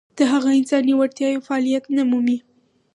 د هغه انساني وړتیاوې فعلیت نه مومي.